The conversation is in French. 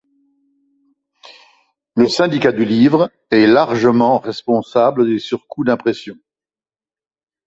Le Syndicat du livre est largement responsable des surcoûts d’impression.